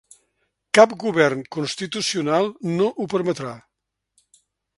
Cap govern constitucional no ho permetrà.